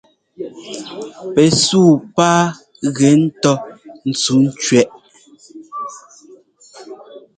Pɛ suu pá gɛ ńtɔ́ ntsuŋkẅɛʼ.